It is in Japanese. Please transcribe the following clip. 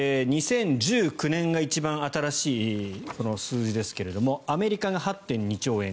２０１９年が一番新しい数字ですがアメリカが８．２兆円